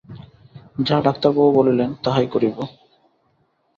যাহা ডাক্তারবাবু বলেন, তাহাই করিব।